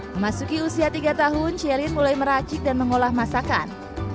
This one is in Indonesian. memasuki usia tiga tahun sherin mulai meracik dan mengolah masakan